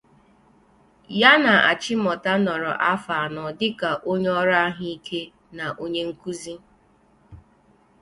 Ya na Achimota nọrọ afọ anọ dịka onye ọrụ ahụike na onye nkuzi.